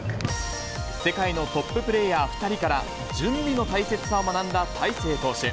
世界のトッププレーヤー２人から、準備の大切さを学んだ大勢投手。